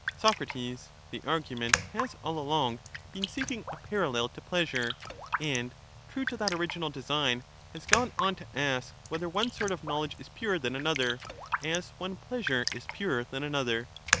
Soc, The argument has all along been seeking a parallel to pleasure, and true to that original design, has gone on to ask whether one sort of knowledge is purer than another, as one pleasure is purer than another.